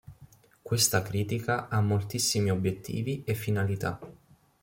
Questa critica ha moltissimi obiettivi e finalità.